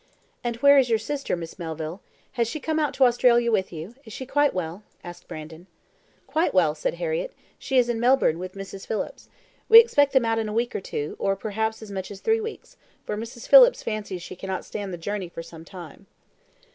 "And where is your sister, Miss Melville? Has she come out to Australia with you? Is she quite well?" asked Brandon. "Quite well," said Harriett; "she is in Melbourne with Mrs. Phillips. We expect them out in a week or two, or perhaps as much as three weeks, for Mrs. Phillips fancies she cannot stand the journey for some time."